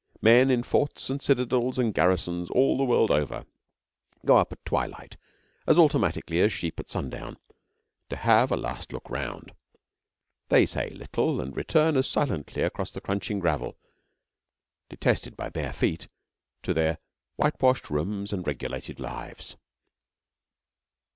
Men in forts and citadels and garrisons all the world over go up at twilight as automatically as sheep at sundown, to have a last look round. They say little and return as silently across the crunching gravel, detested by bare feet, to their whitewashed rooms and regulated lives.